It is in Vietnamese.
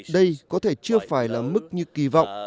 đây có thể chưa phải là mức như kỳ vọng